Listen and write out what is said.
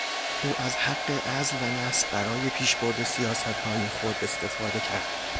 او از حق عزل و نصب برای پیشبرد سیاستهای خود استفاده کرد.